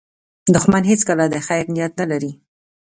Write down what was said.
دښمن هیڅکله د خیر نیت نه لري